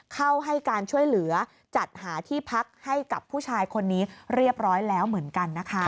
เข้าให้การช่วยเหลือจัดหาที่พักให้กับผู้ชายคนนี้เรียบร้อยแล้วเหมือนกันนะคะ